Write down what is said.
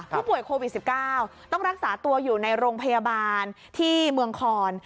ผู้ป่วยโควิด๑๙ต้องรักษาตัวอยู่ในโรงพยาบาลที่เมืองคอน